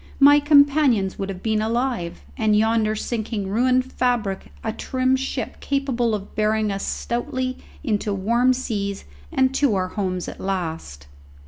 My companions would have been alive, and yonder sinking ruined fabric a trim ship capable of bearing us stoutly into warm seas and to our homes at last.